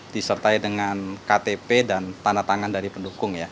disertai dengan ktp dan tanda tangan dari pendukung ya